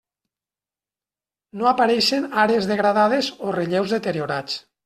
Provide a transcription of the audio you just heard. No apareixen àrees degradades o relleus deteriorats.